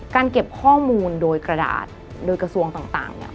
เก็บข้อมูลโดยกระดาษโดยกระทรวงต่างเนี่ย